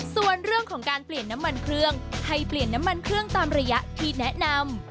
ส่วนเรื่องของการเปลี่ยนน้ำมันเครื่องให้เปลี่ยนน้ำมันเครื่องตามระยะที่แนะนำ